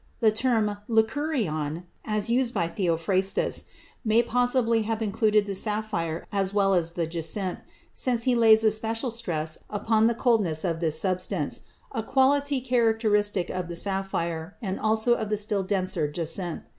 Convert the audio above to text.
The term lyncurion, as used by Theophrastus, may possibly have included the sapphire as well as the jacinth, since he lays especial stress upon the coldness of this substance, a quality characteristic of the sapphire, and also of the still denser jacinth.